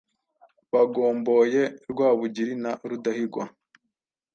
Bwagomboye Rwabugiri na Rudahigwa.